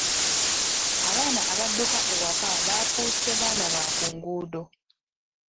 Abaana abadduka ewaka bafuuse baana ba ku nguudo.